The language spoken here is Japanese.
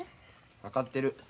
分かってる。